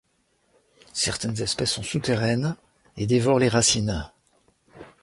Certaines espèces sont souterraines et dévorent les racines.